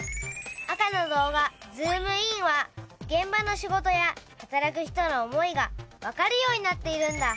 赤の動画「ズームイン」は現場の仕事や働く人の思いがわかるようになっているんだ。